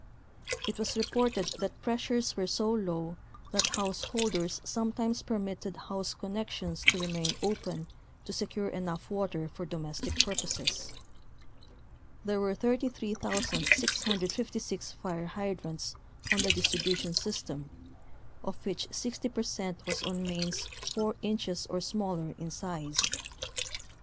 It was reported that pressures were so low that householders sometimes permitted house connections to remain open to secure enough water for domestic purposes. There were 33,656 fire hydrants on the distribution system, of which 60 percent was on mains four inches or smaller in size.